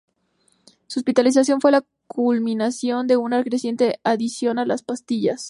Su hospitalización fue la culminación de una creciente adicción a las pastillas.